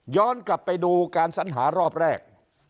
กลับไปดูการสัญหารอบแรก